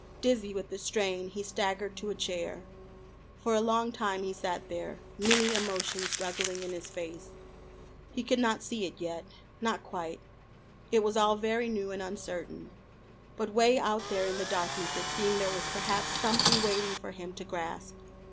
Dizzy with the strain he staggered to a chair. For a long time he sat there, many emotions struggling in his face. He could not see it yet not quite. It was all very new, and uncertain. But 'way out there in the darkness it seemed there was perhaps something waiting for him to grasp.